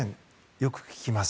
よく聞きます。